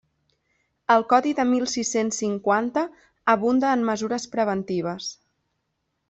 El Codi de mil sis-cents cinquanta abunda en mesures preventives.